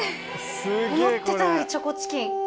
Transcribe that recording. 思ってたよりチョコチキン。